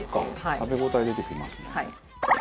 食べ応え出てきますもんね。